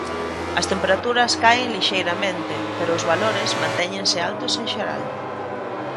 As temperaturas caen lixeiramente, pero os valores mantéñense altos en xeral.